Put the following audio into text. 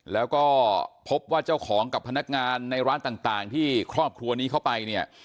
แล้วก็พบว่าเจ้าของกับพนักงานในร้านต่างที่ครอบครัวนี้เข้าไปเนี่ย